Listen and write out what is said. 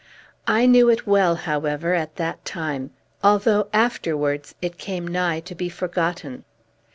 I knew it well, however, at that time, although afterwards it came nigh to be forgotten.